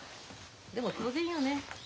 でも当然よね。